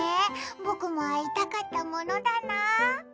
僕も会いたかったものだなぁ。